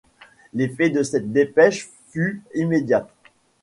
L’effet de cette dépêche fut immédiat.